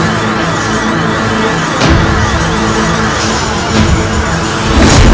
aku akan mencari penyelesaianmu